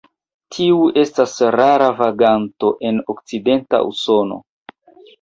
Tiu estas rara vaganto en okcidenta Usono.